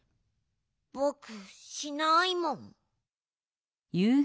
ぼくしないもん。